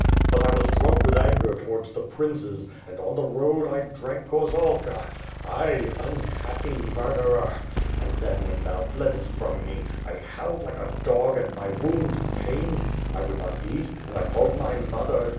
But I was drunk with anger towards the princes, and, on the road, I drank gorzalka — I, unhappy murderer, and then, when thou fleddest from me, I howled like a dog, and my wounds pained — 1 would not eat, and I called my mother.